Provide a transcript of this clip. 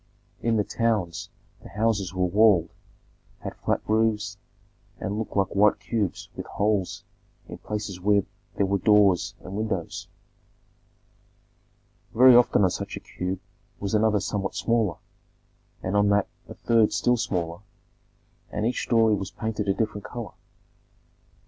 In the towns the houses were walled, had flat roofs, and looked like white cubes with holes in places where there were doors and windows. Very often on such a cube was another somewhat smaller, and on that a third still smaller, and each story was painted a different color.